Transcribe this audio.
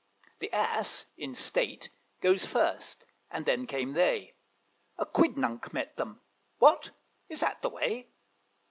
The Ass in state goes first, and then came they. A quidnunc met them What! is that the way?